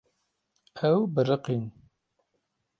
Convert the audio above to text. Ew biriqîn.